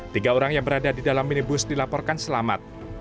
tiga orang yang berada di dalam minibus dilaporkan selamat